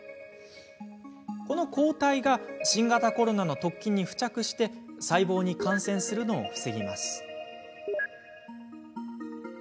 この抗体が新型コロナの突起に付着して細胞に感染するのを防ぎます。